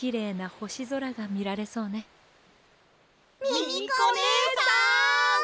ミミコねえさん！